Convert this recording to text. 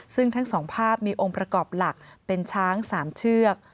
ซึ่งทั้งสองภาพมีองค์ประกอบหลักเป็นช้าง๓เชือก